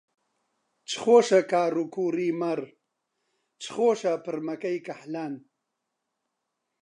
چ خۆشە کاڕ و کووڕی مەڕ، چ خۆشە پڕمەکەی کەحلان